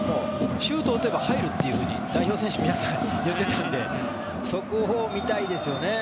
シュートを打てば入ると代表選手、皆さん言っていたのでそこを見たいですよね。